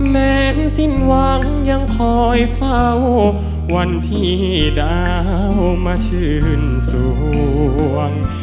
แมนสิ้นหวังยังคอยเฝ้าวันที่ดาวมาชื่นส่วง